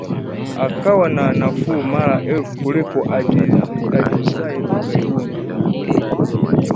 akawa na nafuu mara elfu kuliko ajiuzaye ughaibuni